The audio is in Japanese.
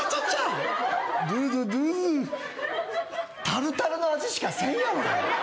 タルタルの味しかせんやろ！